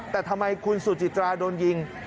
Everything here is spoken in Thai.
แต่ทำไมคุณสุจิตราโดนยิง